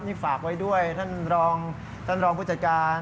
นี่ฝากไว้ด้วยท่านรองผู้จัดการ